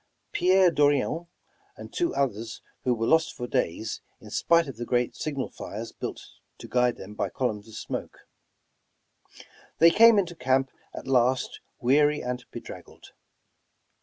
Pierre Dorion and two oth ers who were lost for days, in spite of the great signal fires 180 Over the Rockies built to guide them by columns of smoke. They came into camp at last, weary and bedraggled.